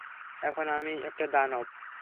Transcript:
এখন আমি একটা দানব।